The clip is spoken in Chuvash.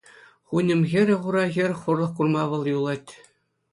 Хуньӑм хӗрӗ хура хӗр хурлӑх курма вӑл юлать.